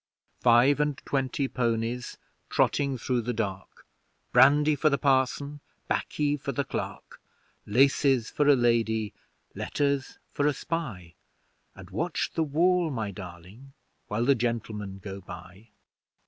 Five and twenty ponies, Trotting through the dark Brandy for the Parson, 'Baccy for the Clerk; Laces for a lady; letters for a spy, And watch the wall, my darling, while the Gentlemen go by!